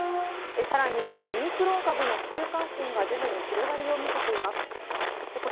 さらにオミクロン株の市中感染が徐々に広がりを見せています。